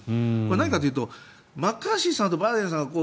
何かというとマッカーシーさんとバイデンさん